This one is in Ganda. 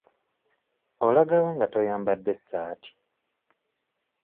Olaga wa nga toyambadde ssaati ?